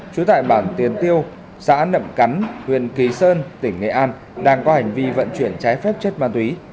trú tại bản tiền tiêu xã nậm cắn huyện kỳ sơn tỉnh nghệ an đang có hành vi vận chuyển trái phép chất ma túy